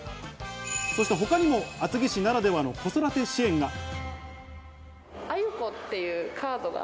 そして他にも厚木市ならではの子育て支援が。